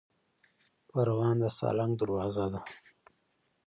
پروان د سالنګ دروازه ده